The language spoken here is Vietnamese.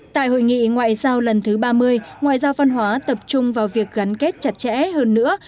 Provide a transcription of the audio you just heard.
tại hội nghị ngoại giao lần thứ ba mươi ngoại giao văn hóa tập trung vào việc gắn kết chặt chẽ hơn nữa